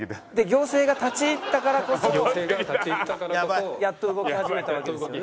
行政が立ち入ったからこそやっと動き始めたわけですよね。